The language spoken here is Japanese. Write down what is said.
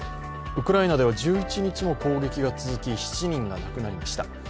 ウクライナでは１１日も攻撃が続き、７人が亡くなりました。